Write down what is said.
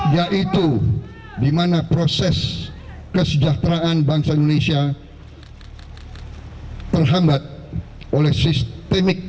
ya itu dimana proses kesejahteraan bangsa indonesia terhambat oleh sistemik